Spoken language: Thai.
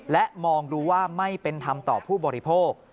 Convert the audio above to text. และมองดูว่าไม่เป็นธรรมต่อผู้บริโภค